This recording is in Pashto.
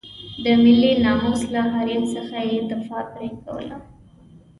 د ملي ناموس له حریم څخه یې دفاع پرې کوله.